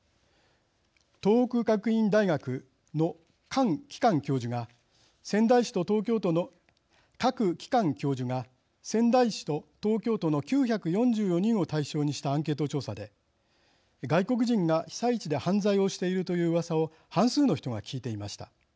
東北学院大学の郭基煥教授が仙台市と東京都の９４４人を対象にしたアンケート調査で外国人が被災地で犯罪をしているといううわさを半数の人が聞いていました。